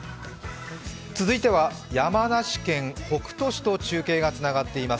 続いては山梨県北杜市と中継がつながっています。